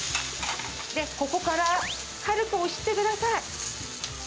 ここから軽く押してください。